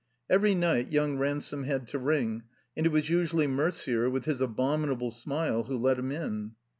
Every night yotmg Ransome had to ring, and it was usually Merder, with his abominable smile, who let him in.